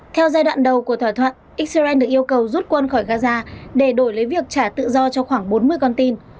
theo giai đoạn đầu của thỏa thuận israel được yêu cầu rút quân khỏi gaza để đổi lấy việc trả tự do cho khoảng bốn mươi con tin